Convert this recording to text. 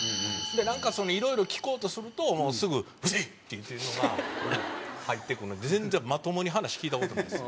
なんかいろいろ聞こうとするとすぐ「うるせえ」っていうのが入ってくるんで全然まともに話聞いた事ないです。